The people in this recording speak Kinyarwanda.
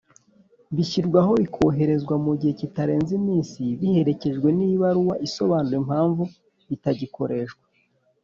bishyirwaho bikoherezwa mu gihe kitarenze iminsi biherekejwe n’ibaruwa isobanura impamvu bitagikoreshwa